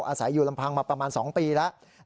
อาศัยอยู่ลำพังมาประมาณ๒ปีแล้ว